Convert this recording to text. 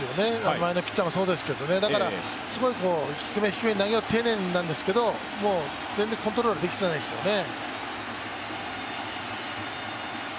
前のピッチャーもそうですけどだから低め低めに投げようと丁寧なんですけど全然コントロールできていないですよね。